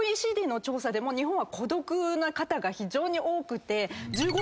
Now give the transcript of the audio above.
ＯＥＣＤの調査でも日本は孤独な方が非常に多くて。